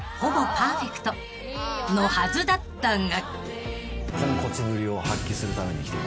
［のはずだったが］